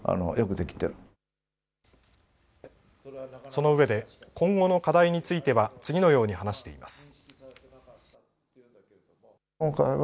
そのうえで今後の課題については次のように話しています。